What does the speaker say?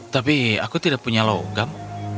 tapi aku tidak punya logam